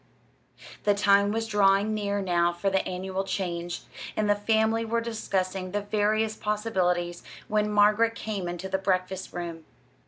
The time was drawing near now for the annual change, and the family were discussing the various possibilities when Margaret came into the breakfast room.